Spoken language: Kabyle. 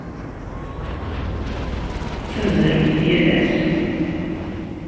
Tettazzalemt yal ass?